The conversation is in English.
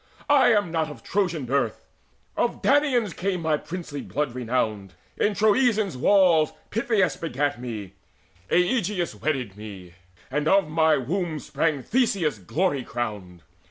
I am not of Trojan birth: of Danaans came My princely blood renowned. In Troezen's halls Pittheus begat me, Aegeus wedded me, And of my womb sprang Theseus glory crowned.